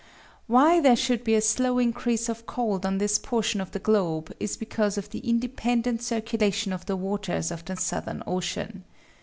Why there should be a slow increase of cold on this portion of the globe is because of the independent circulation of the waters of the Southern Ocean.